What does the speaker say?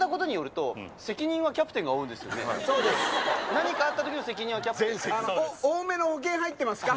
何かあった時の責任はキャプテン。